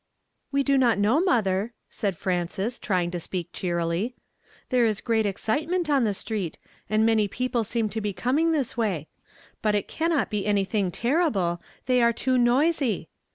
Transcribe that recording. "We do not know, mother," said Frances, try ing to speak cheerily. " There is great excitement on the street, and many people seem to be coming this way ; but it cannot be anything terrible ; they are too noisy.